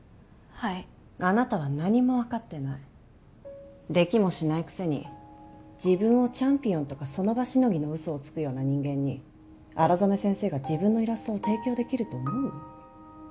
はいあなたは何も分かってないできもしないくせに自分をチャンピオンとかその場しのぎの嘘をつくような人間に荒染先生が自分のイラストを提供できると思う？